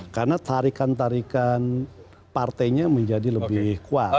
karena tarikan tarikan partainya menjadi lebih kuat